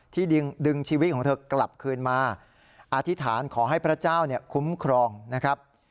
ดึงชีวิตของเธอกลับคืนมาอธิษฐานขอให้พระเจ้าคุ้มครองนะครับ